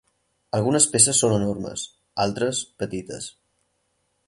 Algunes peces són enormes, altres petites.